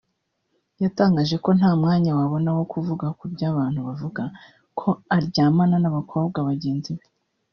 yatangaje ko nta mwanya yabona wo kuvuga ku by’abantu bavuga ko aryamana n’abakobwa bagenzi be